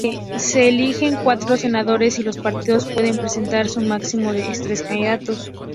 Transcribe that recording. Se eligen cuatro senadores y los partidos pueden presentar un máximo de tres candidatos.